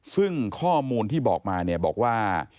ซึ่งข้อมูลที่บอกมาเนี่ยบอกว่า